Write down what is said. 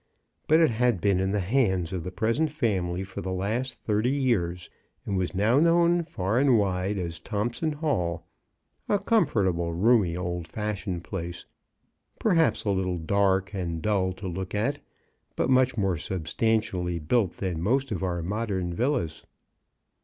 But it had been in the hands of the present family for the last thirty years, and was now known far and wide as Thompson Hall — a comfort able, roomy, old fashioned place, perhaps a 70 CHRISTMAS AT THOMPSON HALL. little dark and dull to look at, but much more substantially built than most of our modern villas.